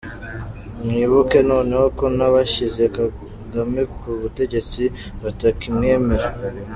Mwibuke noneho ko n’abashyize Kagame ku butegetsi batakimwemera!